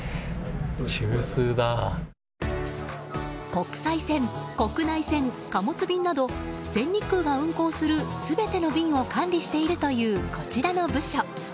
国際線、国内線、貨物便など全日空が運航する全ての便を管理しているというこちらの部署。